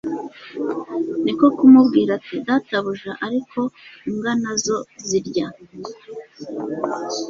Niko kumubwira ati : "Databuja ariko imbwa na zo zirya